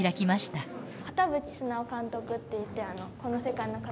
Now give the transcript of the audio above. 片渕須直監督っていって「この世界の片隅に」の。